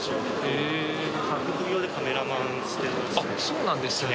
そうなんですね。